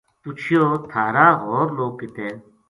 پُچھیو تھار ا ہور لوک کِت ہے۔